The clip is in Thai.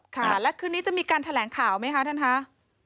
ค่ะแล้วในนี้จะมีการแถลงข่าวมั้ยฮะท่านฮะ